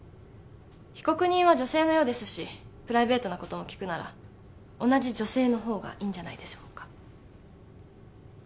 被告人は女性のようですしプライベートなことも聞くなら同じ女性の方がいいんじゃないでしょうか？